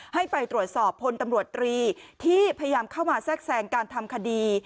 ให้ไปตรวจสอบพลตำรวจตรีที่พยายามเข้ามาแทรกแทรงการทำคดี